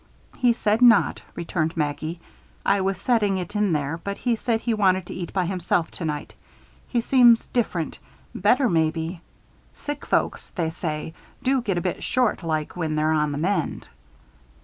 "He said not," returned Maggie. "I was setting it in there, but he said he wanted to eat by himself tonight. He seems different better, maybe. Sick folks, they say, do get a bit short like when they're on the mend."